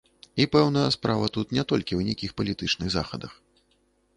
І, пэўна, справа тут не толькі ў нейкіх палітычных захадах.